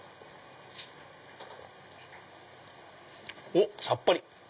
おっさっぱり！